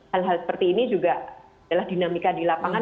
hal hal seperti ini juga adalah dinamika di lapangan